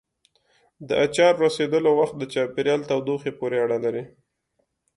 د اچارو رسېدلو وخت د چاپېریال تودوخې پورې اړه لري.